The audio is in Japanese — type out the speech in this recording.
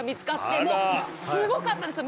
もうすごかったんですよ